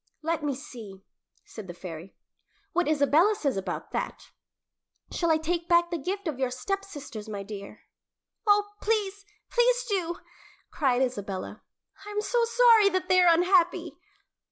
"Let me see," said the fairy, "what Isabella says about that. Shall I take back the gift of your stepsisters, my dear?" "Oh, please, please do!" cried Isabella. "I am so sorry that they are unhappy."